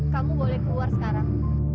kamu boleh keluar sekarang